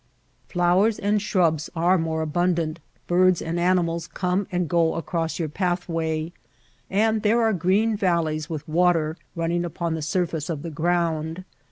Flowers and shrubs are more abundant, birds and animals come and go across your path way, and there are green valleys with water running upon the surface of the ground.